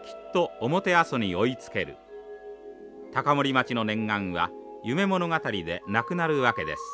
高森町の念願は夢物語でなくなるわけです。